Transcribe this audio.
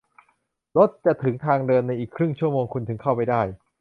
รถจะถึงทางเดินในอีกครึ่งชั่วโมง คุณถึงเข้าไปได้